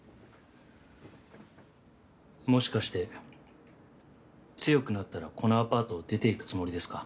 もしかして強くなったらこのアパートを出て行くつもりですか？